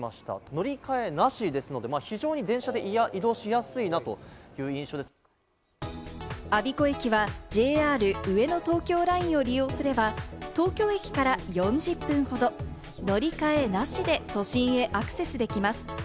乗り換えなしですので、非常に電車で移動しやすいなという印象で我孫子駅はＪＲ上野東京ラインを利用すれば、東京駅から４０分ほど、乗り換えなしで都心へアクセスできます。